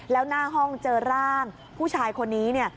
แล้วหน้าห้องเจอร่างผู้ชายคนนี้เนี่ย